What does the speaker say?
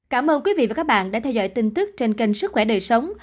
cảm ơn quý vị và các bạn đã theo dõi tin tức trên kênh sức khỏe đời sống